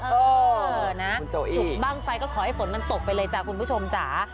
เออนะถูกบ้างไฟก็ขอให้ฝนมันตกไปเลยจ้ะคุณผู้ชมจ๋า